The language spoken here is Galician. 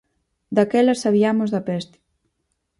Daquela sabiamos da peste.